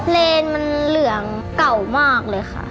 เลนมันเหลืองเก่ามากเลยค่ะ